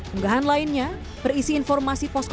unggahan lainnya berisi informasi posko